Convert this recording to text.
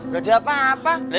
gak ada apa apa